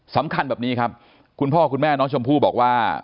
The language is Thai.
สำคัญแบบนี้ครับคุณพ่อคุณแม่น้องชมพู่บอกว่า